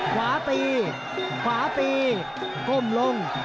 ขวาตีขวาตีก้มลง